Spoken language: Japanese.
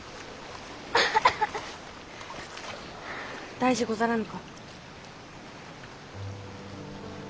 大事ござらぬか？